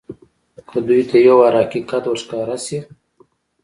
که دوى ته يو وار حقيقت ورښکاره سي.